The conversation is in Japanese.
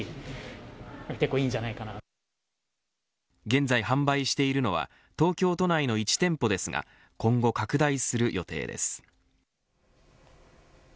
現在販売しているのは東京都内の１店舗ですが今後拡大する予定です。